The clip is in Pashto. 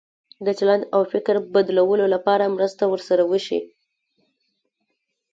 د چلند او فکر بدلولو لپاره مرسته ورسره وشي.